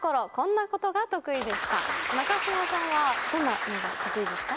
中島さんはどんなものが得意でした？